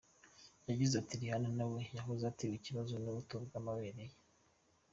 Yagize ati :« Rihanna nawe yahoze atewe ikibazo n’ubuto bw’amabere ye.